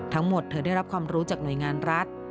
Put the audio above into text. เธอได้รับความรู้จากหน่วยงานรัฐ